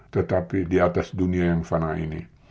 tetapi di atas dunia yang fana ini